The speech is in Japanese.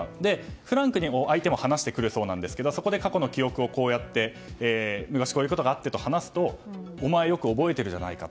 フランクに相手も話してくるそうなんですがそこで過去の記憶を昔こういうことがあってと話すとお前よく覚えているじゃないかと。